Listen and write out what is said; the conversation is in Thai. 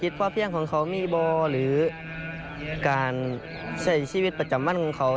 มอบพระบาทหรือการใช้ชีวิตประจำมั่นของเขา